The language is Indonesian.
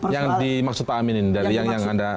yang dimaksudkan aminin dari yang anda